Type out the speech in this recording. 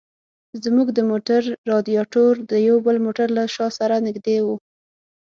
زموږ د موټر رادیاټور د یو بل موټر له شا سره نږدې و.